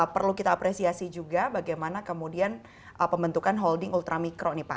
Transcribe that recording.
perlu kita apresiasi juga bagaimana kemudian pembentukan holding ultramikro nih pak